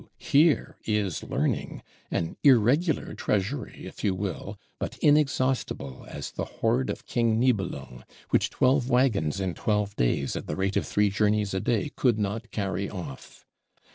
Here is learning: an irregular Treasury, if you will; but inexhaustible as the Hoard of King Nibelung, which twelve wagons in twelve days, at the rate of three journeys a day, could not carry off.